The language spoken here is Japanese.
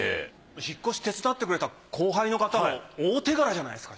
引っ越し手伝ってくれた後輩の方の大手柄じゃないですか。